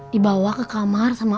dibawa ke kamar sama